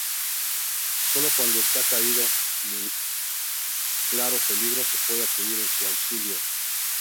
Solo cuando está caído y en claro peligro se puede acudir en su auxilio.